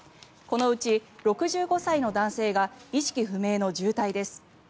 このうち６５歳の男性が意識不明の重体です。